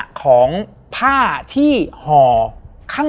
แล้วสักครั้งหนึ่งเขารู้สึกอึดอัดที่หน้าอก